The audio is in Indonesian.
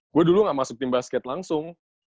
gue dulu gak masuk tim basket langsung